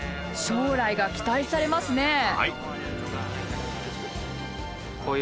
将来が期待されますね。